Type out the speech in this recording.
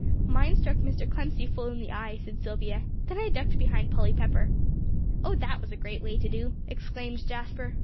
"Mine struck Mr. Clemcy full in the eye," said Silvia; "then I ducked behind Polly Pepper." "Oh, that was a great way to do!" exclaimed Jasper.